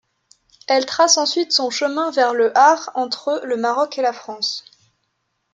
Elle trace ensuite son chemin vers le art entre le Maroc et la France.